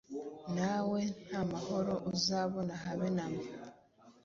nawe ntamahoro azabona habe namba